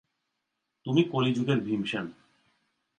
তুমি কলিযুগের ভীমসেন!